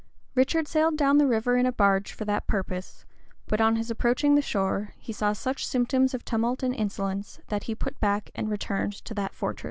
Richard sailed down the river in a barge for that purpose; but on his approaching the shore, he saw such symptoms of tumult and insolence, that he put back and returned to that fortress.